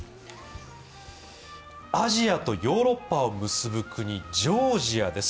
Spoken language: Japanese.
アジアとヨーロッパを結ぶ国、ジョージアです。